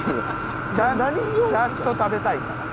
ちゃんと食べたいから。